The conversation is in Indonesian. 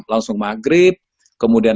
langsung maghrib kemudian